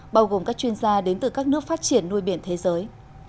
bao gồm các chuyên gia đến từ các nước phát triển nuôi biển thế giới